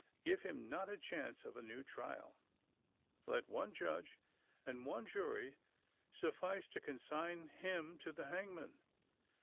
Give him not the chance of a new trial: let one judge and one jury suffice to consign him to the hangman!